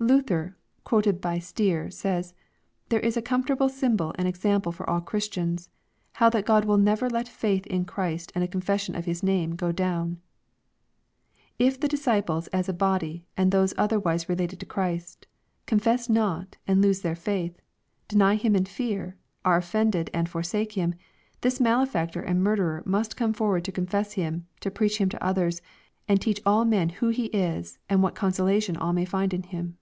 Luther, quoted by Stier, says, " This is a comfoiiable symbol and example for all Christians, how that God will never let faith in Christ and a confession of His name go down. If the disciples as a body, and those otherwise related to Christy confess not and lose their faith, deny Him in fear, are offended and forsake Him, this malefactor and murderer must come forward to confess Him, to preach Him to others, and teach all men who He is and what consolation all may find in Him."